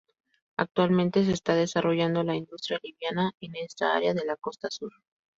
Actualmente se está desarrollando la industria liviana en esta área de la costa sur.